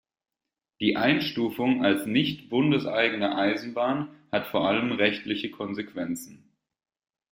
Die Einstufung als nichtbundeseigene Eisenbahn hat vor allem rechtliche Konsequenzen.